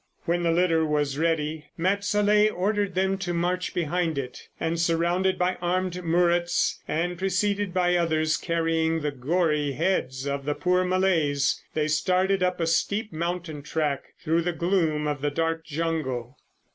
When the litter was ready, Mat Salleh ordered them to march behind it, and surrounded by armed Muruts and preceded by others carrying the gory heads of the poor Malays, they started up a steep mountain track through the gloom of the dark jungle.